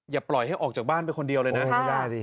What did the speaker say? อย่าปล่อยให้ออกจากบ้านคนนี้ไปคนเดียว